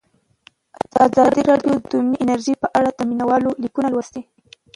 ازادي راډیو د اټومي انرژي په اړه د مینه والو لیکونه لوستي.